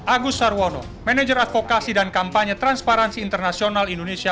agus sarwono manager advokasi dan kampanye transparansi internasional indonesia